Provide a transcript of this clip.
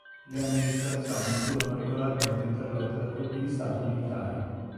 Le amministrazioni furono regolarmente interrotte da colpi di stato militari.